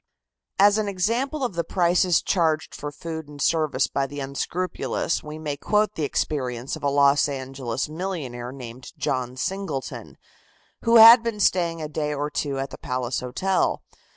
As an example of the prices charged for food and service by the unscrupulous, we may quote the experience of a Los Angeles millionaire named John Singleton, who had been staying a day or two at the Palace Hotel.